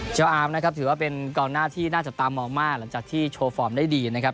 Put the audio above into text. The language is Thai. อาร์มนะครับถือว่าเป็นกองหน้าที่น่าจับตามองมากหลังจากที่โชว์ฟอร์มได้ดีนะครับ